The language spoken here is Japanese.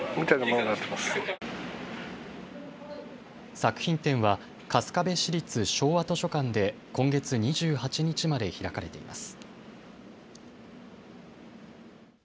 作品展は春日部市立庄和図書館で今月２８日まで開かれています。